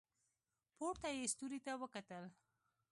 پورته یې ستوري ته وکتل.